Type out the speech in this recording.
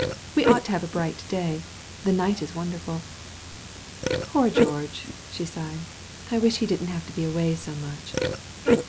We ought to have a bright day; the night is wonderful. Poor George," she sighed, "I wish he didn't have to be away so much."